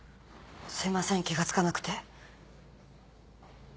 すいません気が付かなくて。